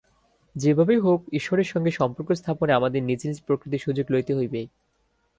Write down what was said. যে ভাবেই হউক, ঈশ্বরের সঙ্গে সম্পর্ক-স্থাপনে আমাদের নিজ নিজ প্রকৃতির সুযোগ লইতে হইবে।